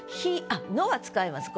あっ「の」は使います。